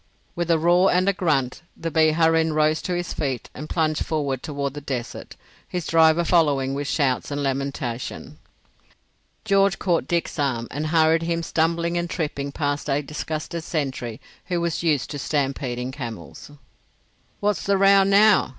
With a roar and a grunt the Biharin rose to his feet and plunged forward toward the desert, his driver following with shouts and lamentation. George caught Dick's arm and hurried him stumbling and tripping past a disgusted sentry who was used to stampeding camels. "What's the row now?"